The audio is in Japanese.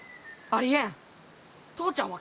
ありえん！